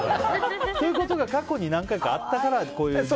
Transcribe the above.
そういうことが過去に何回かあったから自分でと。